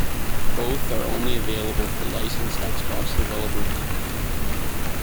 Both are only available for licensed Xbox developers.